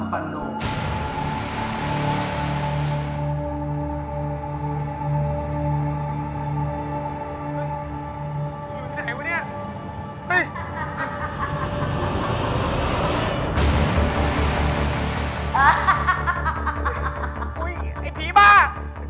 ไม่ต้องตาย